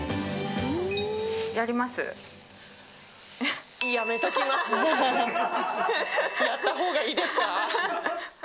やったほうがいいですか？